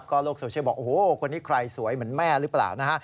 โลกโซเชียลบอกโอ้โหคนนี้ใครสวยเหมือนแม่หรือเปล่านะฮะ